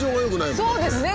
そうですね